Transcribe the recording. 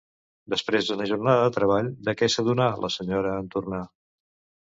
Després d'una jornada de treball, de què s'adonà la senyora en tornar?